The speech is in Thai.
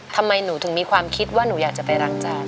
ทำไมหนูถึงมีความคิดว่าหนูอยากจะไปรังจาน